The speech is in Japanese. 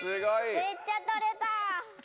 めっちゃとれた！